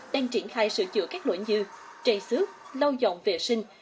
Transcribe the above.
đang triển khai sửa chữa các lỗi như trầy xước lau dọn vệ sinh